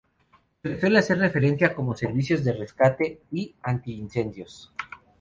Se les suele hacer referencia como Servicios de Rescate y Antiincendios.